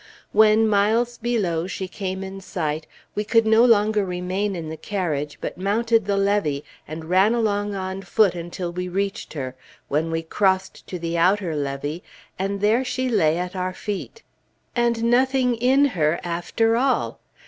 When, miles below, she came in sight, we could no longer remain in the carriage, but mounted the levee, and ran along on foot until we reached her, when we crossed to the outer levee, and there she lay at our feet. And nothing in her after all!